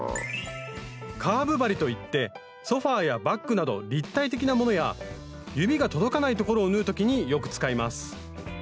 カーブ針といってソファーやバッグなど立体的なものや指が届かない所を縫う時によく使います